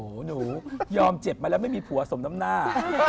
โอ้โหหนูยอมเจ็บมาแล้วไม่มีผัวสมน้ำหน้า